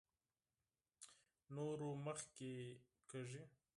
نورو مخکې کېږي.